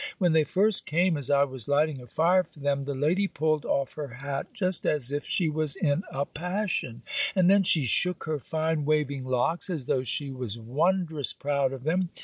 When they first came, as I was lighting a fire for them, the lady pulled off her hat just as if she was in a passion, and then she shook her fine waving locks, as though she was wond'rous proud of them.